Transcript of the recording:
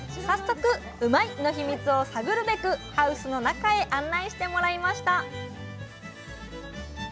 早速「『うまいッ！』の秘密」を探るべくハウスの中へ案内してもらいました！